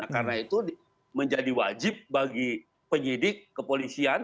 karena itu menjadi wajib bagi penyidik kepolisian